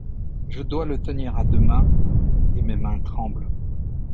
Je dois le tenir à deux mains, et mes mains tremblent.